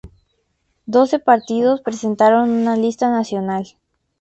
Doce partidos presentaron una lista nacional.